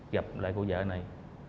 gặp lại cô vợ này